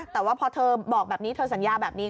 แต่ว่าพอเธอบอกแบบนี้เธอสัญญาแบบนี้